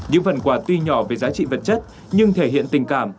những phần quà tuy nhỏ về giá trị vật chất nhưng thể hiện tình cảm